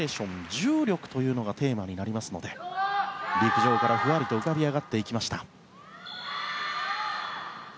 重力というのがテーマになりますので陸上からふわりと浮かび上がっていきました。